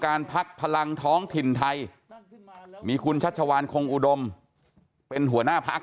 พักพลังท้องถิ่นไทยมีคุณชัชวานคงอุดมเป็นหัวหน้าพัก